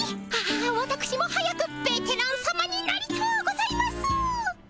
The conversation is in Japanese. あわたくしも早くベテランさまになりとうございます。